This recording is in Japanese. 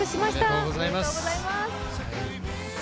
おめでとうございます。